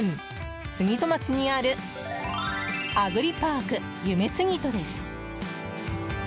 杉戸町にあるアグリパークゆめすぎとです。